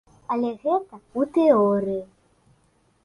Але гэта ў тэорыі.